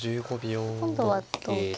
今度は同桂で。